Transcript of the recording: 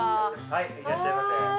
はい、いらっしゃいませ。